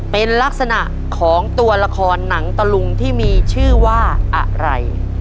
เป็นลักษณะของตัวละครหนังตะลุงที่มีชื่อว่าอะไร